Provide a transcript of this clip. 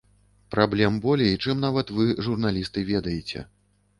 Праблем болей, чым нават вы, журналісты, ведаеце.